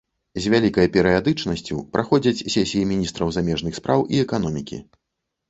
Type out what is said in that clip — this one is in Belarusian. З вялікай перыядычнасцю праходзяць сесіі міністраў замежных спраў і эканомікі.